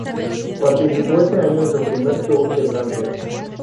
Participó ese año en su primer Tour de Francia.